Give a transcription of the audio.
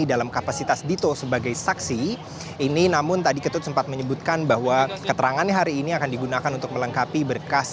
dalam kapasitas dito sebagai saksi ini namun tadi ketut sempat menyebutkan bahwa keterangannya hari ini akan digunakan untuk melengkapi berkas